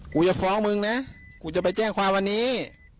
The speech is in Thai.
กูจะฟ้องมึงนะกูจะไปแจ้งความวันนี้